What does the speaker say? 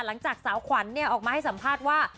หลังจากสาวขวัญออกมาให้สัมภาษณ์ว่า